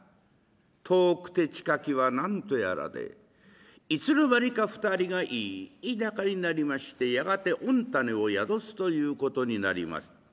遠くて近きは何とやらでいつの間にか２人がいい仲になりましてやがて御胤を宿すということになります。